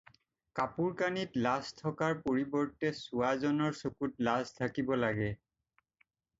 কাপোৰ-কানিত লাজ থকাৰ পৰিৱৰ্তে চোৱা জনৰ চকুত লাজ থাকিব লাগে।